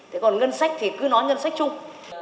thế còn ngân sách thì cứ nói ngân sách chung